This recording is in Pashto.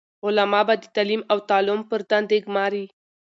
علماء به د تعليم او تعلم پر دندي ګماري،